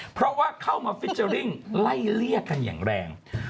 เพราะว่าเข้ามาฟิเจอร์ริ่งไล่เลี่ยกันอย่างแรง